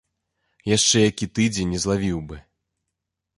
Яшчэ які тыдзень, і злавіў бы.